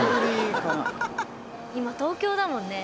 今東京だもんね。